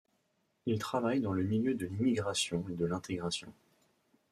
Il travaille dans le milieu de l'immigration et l'intégration.